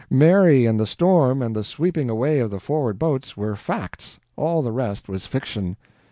Mary and the storm, and the sweeping away of the forward boats, were facts all the rest was fiction.